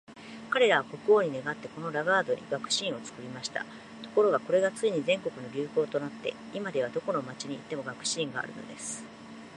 彼等は国王に願って、このラガードに学士院を作りました。ところが、これがついに全国の流行となって、今では、どこの町に行っても学士院があるのです。